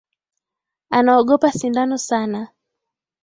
Anaogopa sindano sana